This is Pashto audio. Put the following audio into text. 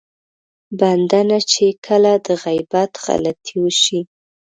بنده نه چې کله د غيبت غلطي وشي.